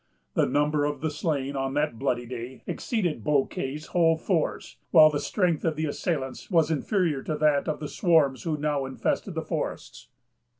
The number of the slain on that bloody day exceeded Bouquet's whole force; while the strength of the assailants was inferior to that of the swarms who now infested the forests.